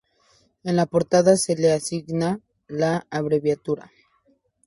En la portada se le asigna la abreviatura.